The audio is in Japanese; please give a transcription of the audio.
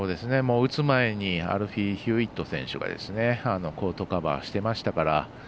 打つ前にアルフィー・ヒューウェット選手がコートカバーしていましたから。